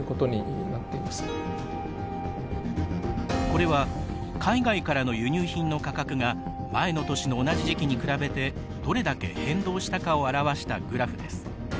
これは海外からの輸入品の価格が前の年の同じ時期に比べてどれだけ変動したかを表したグラフです。